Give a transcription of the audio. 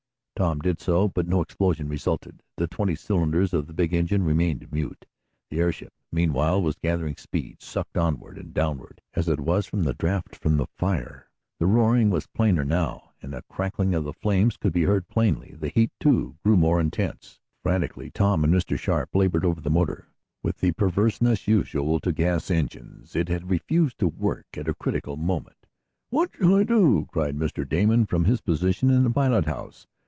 Tom did so, but no explosion resulted. The twenty cylinders of the big engine remained mute. The airship, meanwhile, was gathering speed, sucked onward and downward as it was by the draught from the fire. The roaring was plainer now, and the crackling of the flames could be heard plainly. The heat, too, grew more intense. Frantically Tom and Mr. Sharp labored over the motor. With the perverseness usual to gas engines, it had refused to work at a critical moment. "What shall I do?" cried Mr. Damon from his position in the pilot house.